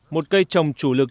một cây trồng chủ lực